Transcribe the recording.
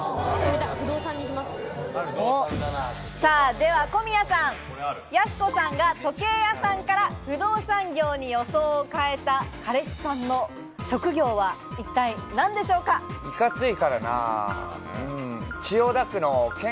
では小宮さん、やす子さんが時計屋さんから不動産業に予想を変えた彼氏さんの職業はいかついからな。